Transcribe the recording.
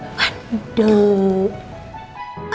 aduh aduh aduh aduh